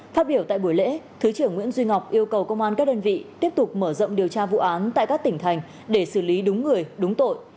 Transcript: phát biểu tại buổi lễ thứ trưởng nguyễn duy ngọc yêu cầu công an các đơn vị tiếp tục mở rộng điều tra vụ án tại các tỉnh thành để xử lý đúng người đúng tội